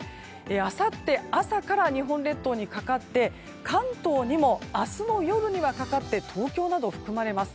あさって朝から日本列島にかかって関東にも明日の夜にはかかって東京なども含まれます。